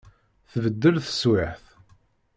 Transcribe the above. Tbeddel teswiεt.